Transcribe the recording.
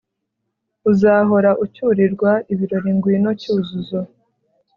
uzahora ucyurirwa ibirori ngwino cyuzuzo